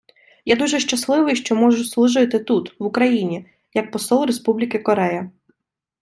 Я дуже щасливий, що можу служити тут, в Україні, як Посол Республіки Корея.